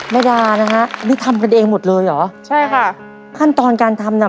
แม่ดานะฮะนี่ทำกันเองหมดเลยเหรอใช่ค่ะขั้นตอนการทำน่ะ